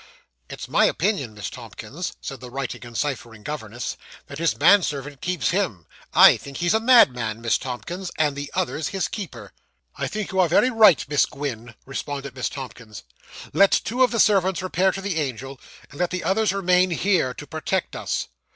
'It's my opinion, Miss Tomkins,' said the writing and ciphering governess, 'that his manservant keeps him, I think he's a madman, Miss Tomkins, and the other's his keeper.' 'I think you are very right, Miss Gwynn,' responded Miss Tomkins. 'Let two of the servants repair to the Angel, and let the others remain here, to protect us.